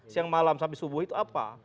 siang malam sampai subuh itu apa